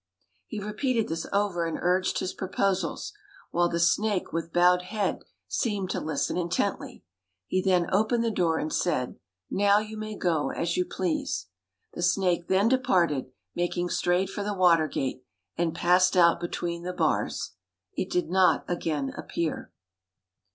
He repeated this over and urged his proposals, while the snake with bowed head seemed to listen intently. He then opened the door and said, "Now you may go as you please." The snake then departed, making straight for the Water Gate, and passed out between the bars. It did not again appear.